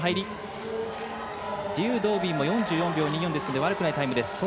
劉道敏も４４秒２４ですので悪くないタイムです。